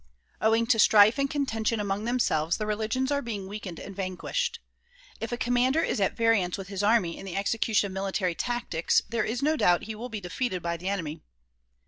Owing to strife and contention among themselves the religions are being weakened and vanquished. If a commander is at variance with 156 THE PROMULGATION OF UNIVERSAL PEACE his army in the execution of military tactics there is no doubt he will be defeated by the enemy.